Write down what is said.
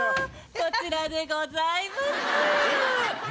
こちらでございます。